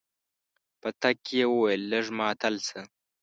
په تګ کې يې وويل لږ ماتل شه.